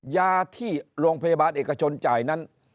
ยาที่โรงพยาบาลเอกชนจ่ายนั้น